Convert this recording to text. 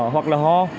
hoặc là ho